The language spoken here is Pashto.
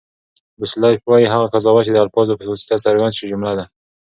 بوسلایف وایي، هغه قضاوت، چي د الفاظو په واسطه څرګند سي؛ جمله ده.